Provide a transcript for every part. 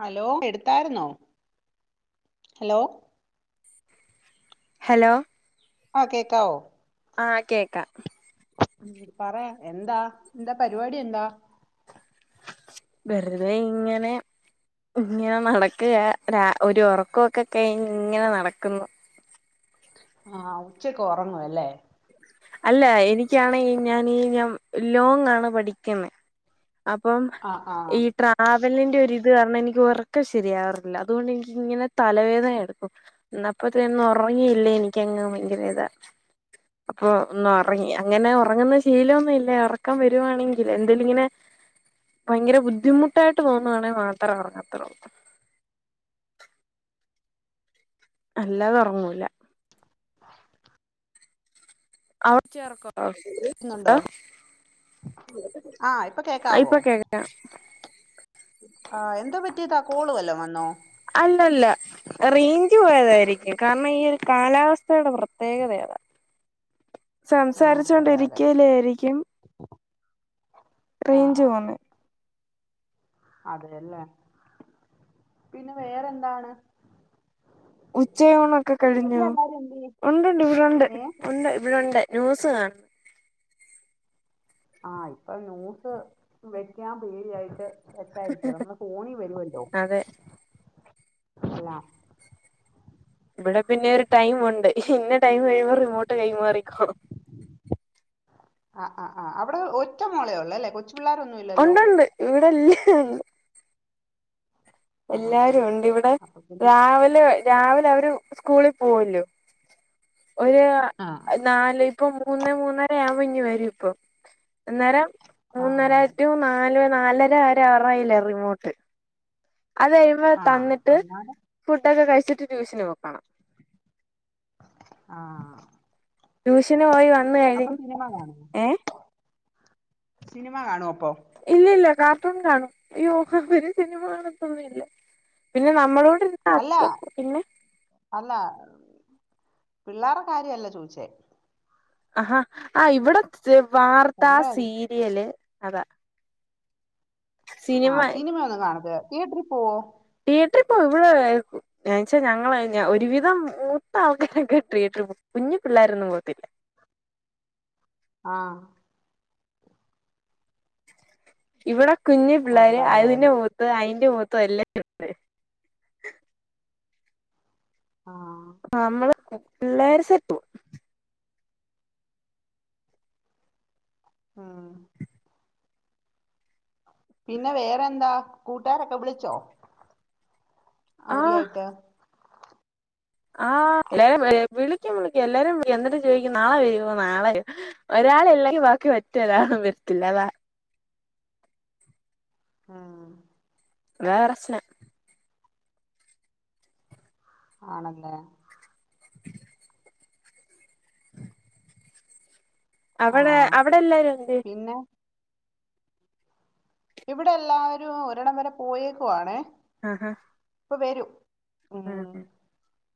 Hello എടുത്താരുന്നൊ hello hello ആഹ് കേക്കാവൊ ആഹ് കേക്ക ഉം പറാ എന്താ ന്താ പരിപാടി എന്താ വെറ്തെ ഇങ്ങനെ ഇങ്ങനെ നടക്കുകാ ഒരു ഒറക്കോ ക്ക കഴിഞ്ഞ് ഇങ്ങനെ നടക്കുന്നു. ആഹ് ഉച്ചക്ക് ഒറങ്ങുവല്ലേ അല്ല എനിക്കാണെങ്കി ഞാനീ ഞ ലോങ്ങാണ് പഠിക്കുന്നെ അപ്പം ആ ആ ഈ ട്രാവലിന്റെ ഒരിത് കാരണം എനിക്ക് ഒറക്കം ശെരിയാവാറില്ല അതുകൊണ്ട് എനിക്കിങ്ങനെ തലവേദന എടുക്കും ന്ന അപ്പത്തന്നെ ഒറങ്ങിയില്ലേ എനിക്കങ്ങ് ഭയങ്കര ഇതാ അപ്പൊ ഒന്ന് ഒറങ്ങി അങ്ങനെ ഒ റങ്ങുന്ന ശീലോന്നും ഇല്ല ഒറക്കം വരുവാണെങ്കിൽ എന്തേലും ഇങ്ങനെ ഭയങ്കര ബുദ്ധിമുട്ടായിട്ട് തോന്നുകാണെങ്കി മാത്രേ ഒറങ്ങത്തൊള്ളൂ അല്ലാതെ ഉറങ്ങൂല അവിടെ ചേർക്കോ ന്നുണ്ടോ ആ [unintelligible] ഇപ്പൊ കേക്കാവോ അയിപ്പൊ കേക്കാം ആഹ് എന്താ പറ്റിയതാ കോള് വല്ലോം വന്നൊ അല്ലല്ല റെയിഞ്ച് പോയതാരിക്കും കാരണം ഈ ഒരു കാലാവ- സ്ഥേടെ പ്രത്യേകത യതാ ആ സംസാരിച്ചു അതെ അതെ കൊണ്ടിരിക്കേലാരിക്കും ആ റെയിഞ്ച് പോണെ അതെയല്ലെ പിന്നെ വേറെന്താണ് ഉച്ചയൂണൊക്കെ കഴിഞ്ഞൊ വീട്ടിലെല്ലാരും എന്തിയെ ഉണ്ട്ണ്ട് ഇവിടൊണ്ട് ഏ ഉണ്ട് ഇവിടൊണ്ട് ന്യൂസ് കാണ്ന്ന്. ആഹ് ഇപ്പം ന്യൂസ് വെക്കാൻ പേടിയായിട്ട് വെക്കാതിരിക്ക നമ്മള ഫോണി വരോല്ലോ അതെ അല്ലെ ഇവിടെ പിന്നെ ഒരു ടൈമൊണ്ട് ഇന്ന ടൈം കഴിയുമ്പൊ റിമോട്ട് കൈമാറിക്കൊ ആഹ് ആഹ് ആഹ് അവിട ഒറ്റ മോളെ ഉള്ള് അല്ലെ കൊച്ചു പിള്ളാരൊ ഒണ്ടൊണ്ട് ഇവിടെല്ലാരും ഒണ്ട് എല്ലാരും ആഹ് ഉണ്ട് ഇവിടെ അപ്പൊ പിന്നെ രാവിലെ വ- രാവിലെ അവര് സ്കൂളി പോവോ ല്ലൊ ഒര് ആഹ് നാല് ഇപ്പൊ മൂന്നെ മൂന്നര യാ കുമ്പഞ്ഞ് വരും ഇപ്പം അന്നേരം മൂന്നരാ ആഹ് റ്റു നാല് നാലരവരറവര യിലാ റിമോട്ട് അത് കഴിയുമ്പൊ ആഹ് തന്നിട്ട് അന്നാലും ഫുഡൊക്കെ കഴിച്ചിട്ട് ട്യൂഷന് പൊ ക്കോണം ആഹ് ട്യൂഷന് പോയി അപ്പൊ വന്ന്കഴിഞ്ഞ് സിനിമ കാണുവോ ഏഹ് സിനിമ കാണൊ അപ്പൊ ഇല്ല ല്ല കാർട്ടൂൺ കാണും അയ്യോ ഇവര് സിനിമ കാണത്തൊന്നും ഇല്ല പിന്നെ നമ്മളോട് അല്ല പിന്നെ അല്ല പിള്ളാരെ കാര്യല്ല ചോദിച്ചേ ആഹാ ആഹ് ഇവിടെ വാർത്താ തന്റെ കാര്യം സീരിയല് അതാ ആഹ് സിനിമ സിനിമയൊന്നും കാണത്തില്ലേ തിയേറ്ററിൽ പോവോ തിയേറ്ററി പോവ ഇവിടെ ആർക്കും ഞാച്ചാ ഞങ്ങള് ഒരുവിധം മൂത്താ [unintelligible] കുഞ്ഞു പിള്ളേരൊന്നും പോവ്ത്തില്ല ആഹ് ഇവിടെ കുഞ്ഞു പിള്ളേര് കൊള്ളാം അതിന്റെ ഏതായാലും മുഖത്ത് അയിന്റെ മുഖത്തും എല്ലാം ആഹ് ആ നമ്മള് പിള്ളേര സറ്റ് പോവും ആഹ് പിന്നെ വേറെന്താ കൂട്ടാരൊക്കെ വിളിച്ചോ ആഹ് അവധിയായിട്ട് ആഹ് എല്ലാരും വിളിക്കും വിളിക്കും എല്ലാരും വിള എന്നിട്ട് ചോദിക്കും നാളെ വരുവോ നാളെ വരുവോ ഒരാൾ ഇല്ലെങ്കി ബാക്കി മറ്റൊരാളും വര്ത്തില്ല അതാ ഉം വേറെ [unintelligible] ആണല്ലേ അവടെ ആഹ് അവടെ എല്ലാരും എന്തെ പിന്നെ ഇവിടെ എല്ലാരും ഒരിടം വരെ പോയേക്കുവാണേ ആഹ്ഹ ഇപ്പൊ വരൂ ഉം ഉം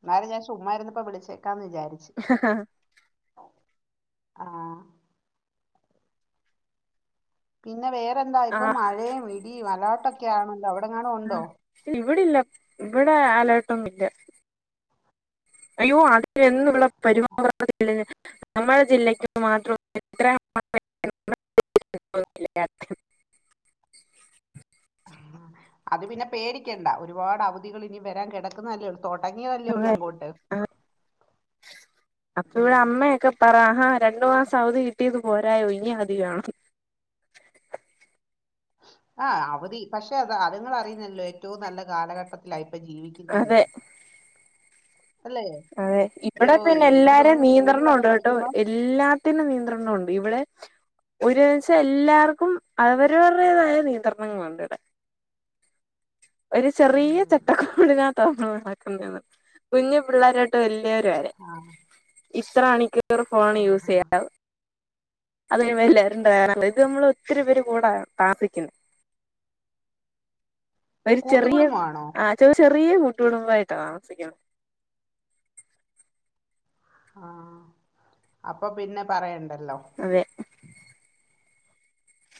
ന്നാലും ഞാ ചുമ്മാ ഇരുന്നപ്പൊ വിളിച്ചേക്കാന്ന് വിചാരിച്ച് ആ ആഹ് പിന്നെ വേറെന്താ ഇപ്പൊ ആഹ് മഴയും ഇടിയും മലാട്ടൊക്കെ ആണല്ലോ അവിടെ എങ്ങണും ഉണ്ടോ ഇവിടില്ല ഇവടെ അലേർട്ടൊന്നും ഇല്ല അയ്യോ അതിൻ്റെ ഒന്നും ഇവള [unintelligible] നമ്മളെ ജില്ലക്ക് മാത്രം [unintelligible] അത് പിന്നെ പേടിക്കണ്ട ഒരുപാട് അവധികൾ ഇനി വരാൻ കിടക്കുന്നല്ലേ തൊടങ്ങിയല്ലേ ഉള്ളു അതെ അങ്ങോട്ട് അപ്പൊ ഇവിടെ അമ്മയൊക്കെ പറ ആഹ് രണ്ടു മാസം അവധി കിട്ടിയത് പോരായോ ഇനി അധികാണോ ആ അവധി പക്ഷെ അത് അതുങ്ങൾ അറിയുന്നല്ലോ ഏറ്റവും നല്ല കാലഘട്ടത്തിലായിപ്പൊ ജീവിക്കുന്നന്ന് അതെ അതെ ഇപടെ അയ്യോ പിന്നെ അയ്യോ, എനിക്ക് എല്ലാരും തോന്നുന്നു നിയന്ത്രണം സ്കൂളിലൊക്കെ ഉണ്ട് കേട്ടോ പഠിക്കുമ്പോ എല്ലാത്തിനും നിയന്ത്രണം ഉണ്ട് ഇവിടെ ഒരുമച്ചാ എല്ലാവർക്കും അവരവരുടേതായ നിയന്ത്രണങ്ങളൾ ഉണ്ട് ഇവിടെ ഒരു ചെറിയ ഉം. ചട്ടക്കോടിനാ തോന്നു നടക്കുന്നെന്ന് കുഞ്ഞു പിള്ളേരോട്ട് വലിയവരുവര് ആഹ് ഇത്ര മണിക്കൂർ ഫോണ് യൂസ് ചെയ്യാവ അതി വല്ലരുംണ്ട ഇത് നമ്മൾ ഒത്തിരി പേര് കൂടാ താമസിക്കുന്നത് കൂട്ടുകുടുംബമാണോ ച ചെറിയ കൂട്ടുകുടുംബ ആയിട്ടാണ് താമസിക്കുന്നത് ആഹ് അപ്പൊ പിന്നെ പറയണ്ടല്ലോ അതെ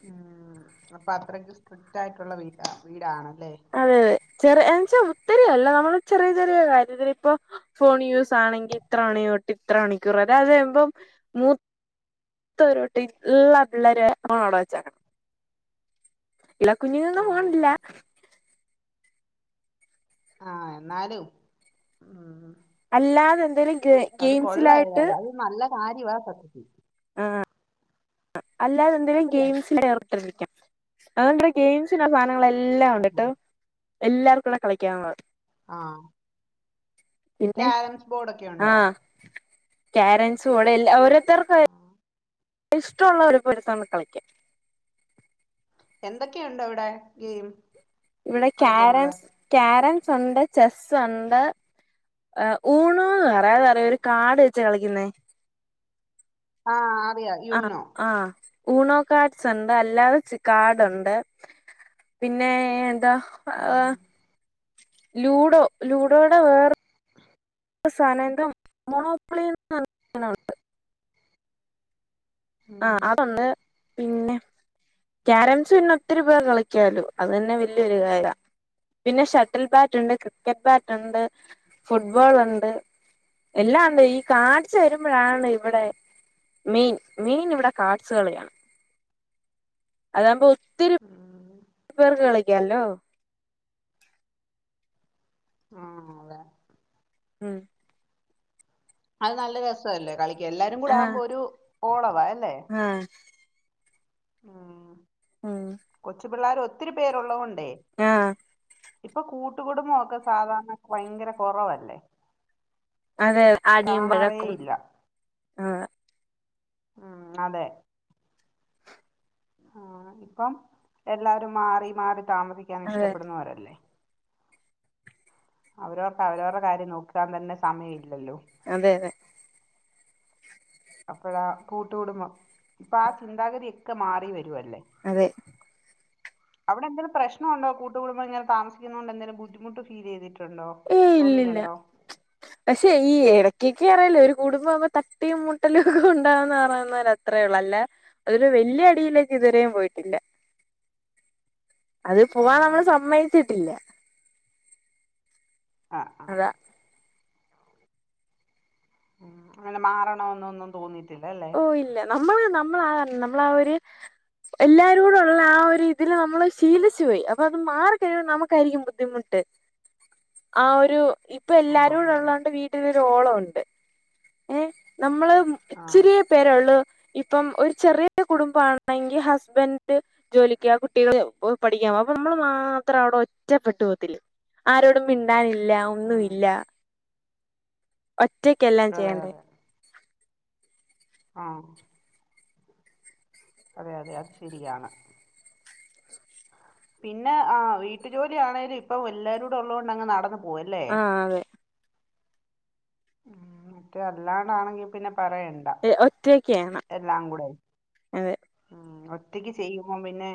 അഹ് അപ്പൊ അത്രയ്ക്ക് സ്ട്രിക്റ്റ് ആയിട്ടുള്ള വീട വീടാണല്ലേ അതെ അതെ ചെറ എന്ന വച്ചാ ഒത്തിരിയല്ല നമ്മള് ചെറിയ ചെറിയ കാര്യത്തിൽ ഇപ്പോ ഫോൺ യൂസ് ആണെങ്കിൽ ഇത്ര മണി തൊട്ട് ഇത്ര മണിക്കൂർ അതായത് ചെയ്യുമ്പം മൂ ത്തരുട്ടി എല്ലാ പിള്ളേര് [unintelligible] ഇള്ള കുഞ്ഞുങ്ങും ഫോണില്ല ആഹ് ആഹ് എന്നാലും ഉം അല്ലാതെ എന്തോലും ഗെയിം അത് കൊള്ളാം ഗെയിംസിലായിട്ട് ഏതായാലും നല്ല കാര്യവാ സത്യത്തിൽ ആ അല്ലാതെ എന്തെങ്കിലും അല്ലേ ഗെയിംസൽ ഏർപെട്ടിരിക്കാം അതാങ്കി ഗെയിംസിന്റെ സാധനങ്ങൾ എല്ലാംഉണ്ടട്ടൊ എല്ലാർക്കും കൂടെ കളിക്കാനുള്ളത് ആഹ് പിന്നെ ക്യാരംസ് ബോർഡ് ഒക്കെ ഉണ്ടോ ആഹ് ക്യാരംസ്ഇവടെ ഇല്ല ഓരോരത്തർക്കും ഇഷ്ടമുള്ള ഓടിപോയി എടു ത്തോണ്ട് കളിക്കാം എന്തൊക്കെയുണ്ട് അവിടെ ഗെയിം ഇവിടെ കളിക്കാനുള്ള ക്യാരംസ് ക്യാരംസ് ഉണ്ട് ചെസ്സ് ഉണ്ട് ഊണോന്ന് പറയും അതറയോ ഒരു കാട് വെച്ച് കളിക്കുന്നേ ആഹ് അറിയാം ആഹ് യൂനോ ആഹ് യുണോ കാർഡ്സ് ഉണ്ട് അല്ലാതെ കാർഡ് ഉണ്ട് പിന്നെ എന്താ ഉം ആഹ് ലൂഡോ ലൂഡോടെ വേറെ [inaudible] വേറെന്തോ സാനം എന്തോ മോണോപ്ലെയിൻ ആഹ് ഉം അതൊണ്ട് പിന്നെ ക്യാരംസ് പിന്നെ ഒത്തിരിപേർ കളിയ്ക്കാലോ അത് തന്നെ വല്യൊരു കായിക പിന്നെ ഷട്ടിൽ ബാറ്റുണ്ട് ക്രിക്കറ്റ് ബാറ്റുണ്ട് ഫുട്ബോളുണ്ട് എല്ലാവൊണ്ട് ഈ കാർഡ്സ് വരുമ്പഴാണ് ഇവിടെ മെയിൻ മെയിൻ ഇവിടെ കാട്സുകളിയാണ് അതാവുമ്പോ ഒത്തിരി ഉം പേർക്ക് കളിയ്ക്കാലോ ആഹ് അതെ ഉം അത് നല്ല രസവല്ലേ കളിയ്ക്കാൻ എല്ലാരും കൂടെ ആഹ് ആവുമ്പോ ഒരു ഓളവ അല്ലേ ആഹ് ആഹ് ആഹ് കൊച്ചു പിള്ളാര് ഒത്തിരി പേരുള്ളോണ്ടേ ആഹ് ഇപ്പൊ കൂട്ടുകുടുംബമൊക്കെ സാധാരണ ഭയങ്കര കൊറവല്ലേ അതെ അടിയും കാണാറേ വഴക്കും ഇല്ല ആഹ് ഉം അതെ ആഹ് ഇപ്പം എല്ലാരും മാറി മാറി താമസിയ്ക്കാൻ അതെ ഇഷ്ടപ്പെടുന്നവരല്ലേ അവരോർക്ക് അവരവര്ടെ കാര്യം നോക്കാൻ തന്നെ സമയില്ലല്ലോ അതെ അതെ അപ്പഴാ കൂട്ടുകൂടുംമ്പം ഇപ്പൊ ആഹ് ചിന്താഗതിയൊക്കെ മാറി വരുവല്ലേ അതെ അവിടെന്തേലും പ്രശ്ണൊണ്ടോ കൂട്ടുകടുംബം ഇങ്ങനെ താമസിക്കുന്നോണ്ടെന്തേലും ബുദ്ധിമുട്ട് ഫീലെയ്തിട്ട് ഇല്ലില്ല [inaudible] പക്ഷേ ഈ എടയ്ക്കെക്കെ അറയാല്ലോ ഒരു കൂടുംബാവുമ്പോ തട്ടീം മുട്ടലും ഒക്കെ ഉണ്ടാവുന്ന് പറയുന്നോലെ അത്രേള്ളൂ അല്ല ഒരു വല്യ അടിയിലേക്ക് ഇതുവരെയും പോയിട്ടില്ല അത് പൂവാൻ നമ്മള് ആഹ് സമ്മയിച്ചിട്ടില്ല ആഹ് ആഹ് [unintelligible] ഉം അങ്ങനെ മാറണോന്നൊന്നും തോന്നിയിട്ടില്ലല്ലേ ഓഹ് ഇല്ല നമ്മള് നമ്മളാ നമ്മള് ആഹ് ഒരു എല്ലാരോടുള്ള ആഹ് ഒരിതില് നമ്മള് ശീലിച്ചു പോയി അപ്പൊ അത് മാറിക്കഴിയുമ്പം നമുക്കായിരിക്കും ബുദ്ധിമുട്ട് ആഹ് ഒരു ആഹ് അതെ ഇപ്പൊല്ലാരൂടുള്ളോണ്ട് വീട്ടിലൊരോളോണ്ട് ഏഹ് നമ്മള് ആഹ് ഇച്ചിരി പേരൊള്ളു ഇപ്പം ഒരു ചെറിയ കുടുംബമാണെങ്കി ഹസ്ബൻഡ് ജോലിയ്ക്കോവ കുട്ടികള് പഠിക്കാമ്പോവ അപ്പൊ നമ്മള് മാത്രം അവിടെ ഒറ്റപ്പെട്ടു പോവത്തില്ലേ ആരോടും മിണ്ടാനില്ല ഉം ഒന്നുവില്ല ഒറ്റയ്ക്ക് അതെ അതെ ആഹ് അതെ അതെ അത് ശരിയാണ് പിന്നെ ആഹ് വീട്ടു ജോലിയാണേലും ഇപ്പം എല്ലാരൂടെ ഉള്ളോണ്ടങ്ങ് നടന്നു പോവല്ലേ ആഹ് അതെ ഉം മറ്റേ അല്ലാണ്ടാണെങ്കി പിന്നെ പറയണ്ട ഒറ്റയ്ക്കാണ് ണ്ട എല്ലാം കൂടെയ് അതെ ഉം ഒറ്റയ്ക്ക് ചെയ്യുമ്പോം പിന്നെ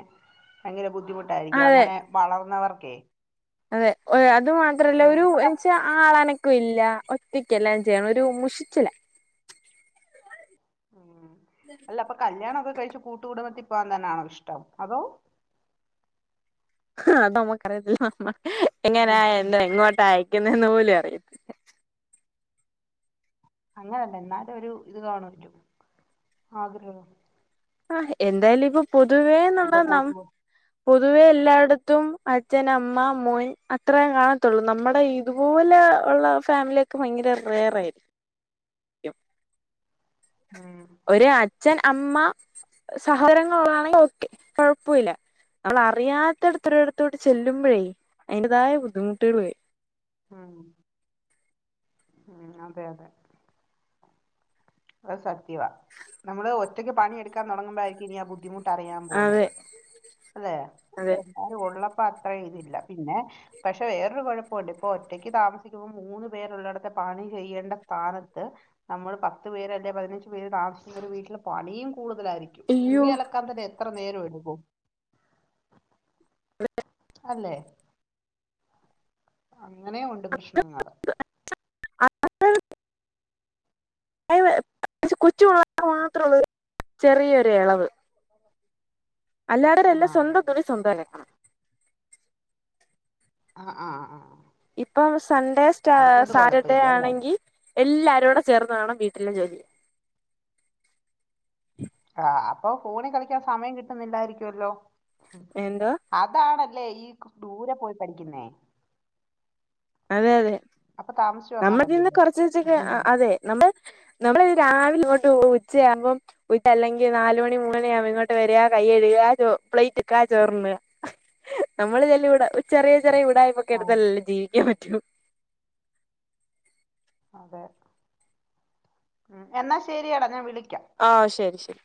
ഭയങ്കര ബുദ്ധിമുട്ടായിരിക്കും അതെ അങ്ങനെ വളർന്നവർക്കെ അതെ അത് മാത്രല്ല ഒരു അപ്പൊ ക എച്ചാ ആളനക്കും ഇല്ല ഒറ്റക്ക് എല്ലാം ചെയ്യണം ഒരു മുഷിച്ചില്ല ഉം അല്ല അപ്പൊ കല്യാണൊക്കെ കഴിച്ചു കൂട്ടുകൂടുംത്തി പോകാൻ തന്നൊണോ ഇഷ്ടം അതോ അത് നമ്മക്കറിയത്തില്ല നമ്മ എങ്ങന അല്ലെ എന്താ എങ്ങോട്ട് അയക്കുന്നന്ന് പോലും അറിയത്തില്ല അങ്ങനെയല്ല എന്നാലും ഒരു ഇത് കാണവാല്ലോ ആഗ്രഹം ആഹ് എന്തായാലും ഇപ്പൊ പൊതുവേ ഇപ്പൊ എന്നുള്ള നാം കൂട്ടുകു പൊതുവേ എല്ലായിടത്തും അച്ഛൻ അമ്മ മോൻ അത്രേ കാണത്തുള്ളൂ നമ്മുടെ ഈ ഇതുപോലെ ഉള്ള ഫാമിലിയൊക്കെ ഭയങ്കര റയർ ആയിരിക്കും ഉം ഒരു അച്ഛൻ അമ്മ സഹോദരങ്ങൾ ഉള്ളാതാണെ ഒക്കെ കൊഴപ്പില്ല നമ്മളെ അറിയാത്തടത്തൊരിടത്തോട്ട് ചെല്ലുമ്പോഴേ അതിന്റേതായ ബുദ്ധിമുട്ടുകൾ വരും ഉം ഉം അതെ അതെ അത് സത്യവാ നമ്മള് ഒറ്റക്ക് പണിയ എടുക്കാൻ തുടങ്ങുമ്പോായിരിക്കും ഇനി ആ ബുദ്ധിമുട്ട് ട്ട്അറിയാൻ അതെ പോകുന്നത് അതെ അതെ എല്ലാരും ഉള്ളപ്പോ അത്ര ഇതില്ല പിന്നെ പക്ഷെ വേറൊരു കുഴപ്പുണ്ട് ഇപ്പൊ ഒറ്റക്ക് താമസിക്കുമ്പോൾ മൂന്നു പേരുള്ളിടത്തെ പണി ചെയ്യേണ്ട സ്ഥാനത്ത് നമ്മൾ പ പത്ത് പേര് അല്ലെ പതിനഞ്ച് പേരു താമസിക്കുന്ന ഒരു വീട്ടില് പണിയും കൂടുതലായിരിക്കും അയ്യോ തുണി അലക്കാൻ തന്നെ എത്ര നേരം എടുക്കും [unintelligible] അല്ലെ അങ്ങനെ ഉണ്ട് പ്രശ്നങ്ങള് [unintelligible] കൊച്ചു പിള്ളേർക്ക് മാത്രേ ഒള്ളൂ ഒരു ചെറിയൊരു എളവ് അല്ലാ ആ [unintelligible] അതെ സ്വന്തം തുണി സ്വന്തം അലക്കണം ആഹ് ആഹ് ആഹ് ഇപ്പം സൺഡേ സ്റ്റാ സാറ്റർഡേ കുഴപ്പമില്ല അല്ലേ ആണെങ്കി എല്ലാരൂടെ ചേർന്ന് വേണം വീട്ടിലെ ജോലി ആ അപ്പ ഫോണി കളിക്ക്യാം സമയം കിട്ടുന്നില്ലായിരിക്കുവല്ലോ എന്താ അതാണല്ലേ ഈ ദൂരെ പോയി പഠിക്ക്ന്നേ അതെ അതെ അപ്പൊ താമസിച്ച് വന്നാ നമ്മൾ നിന്ന് മതിയല്ലോ കൊറച്ചച്ചക്ക് ഉം. അതെ നമ്മള് നമ്മള് ഒര് രാവിലെ ഇങ്ങോട്ട് [unintelligible] ഉച്ചയാവുമ്പം ഉച്ചല്ലെങ്കി നാല് മണി മൂന്നണിയാവുമ്പ ഇങ്ങോട്ട് വര കയ്യ് കയ്‌ക ചോ പ്ലേറ്റ് ഇട്ക്ക ചേറ്ന്ന നമ്മള് [unintelligible] ചെറിയ ചെറിയ വീടാ ആ ഓക്കെടുത്തൽ ജീവിക്ക്യാം പറ്റു അതെ ഉം എന്നാ ശരിയടാ ഞാൻ വിളിക്ക്യ ആ ശരി ശരി